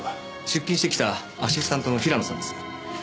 出勤してきたアシスタントの平野さんです。